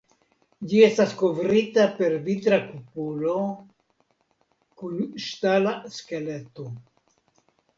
Ĝi estas kovrita per vitra kupolo kun ŝtala skeleto.